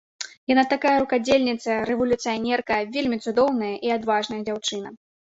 Яна такая рукадзельніца, рэвалюцыянерка, вельмі цудоўная і адважная дзяўчына.